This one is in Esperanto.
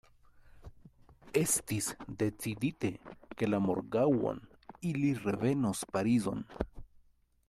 Estis decidite, ke la morgaŭon ili revenos Parizon.